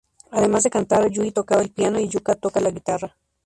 Además de cantar, Yui toca el piano y Yuka toca la guitarra.